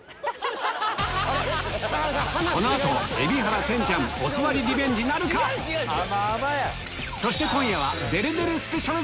このあと海老原テンちゃんお座りリベンジなるか⁉そして今夜はデレデレスペシャル！